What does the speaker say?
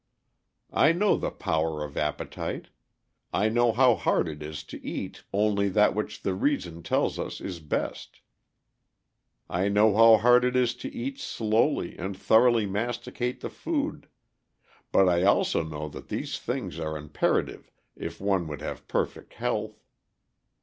I know the power of appetite; I know how hard it is to eat only that which the reason tells us is best. I know how hard it is to eat slowly and thoroughly masticate the food, but I also know that these things are imperative if one would have perfect health.